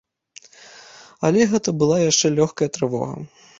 Але гэта была яшчэ лёгкая трывога.